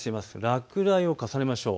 落雷を重ねましょう。